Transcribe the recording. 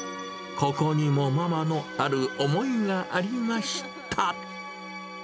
ここにもママのある思いがありました。